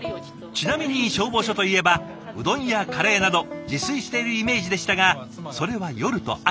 ちなみに消防署といえばうどんやカレーなど自炊しているイメージでしたがそれは夜と朝。